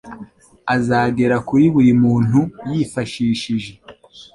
azagera kuri buri muntu, yifashishije